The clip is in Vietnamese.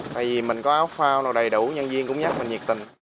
tại vì mình có áo phao đầy đủ nhân viên cũng nhắc mình nhiệt tình